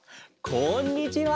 こんにちは！